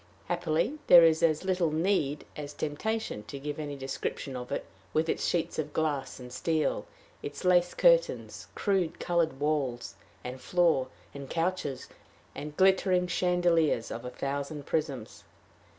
Happily there is as little need as temptation to give any description of it, with its sheets of glass and steel, its lace curtains, crude colored walls and floor and couches, and glittering chandeliers of a thousand prisms.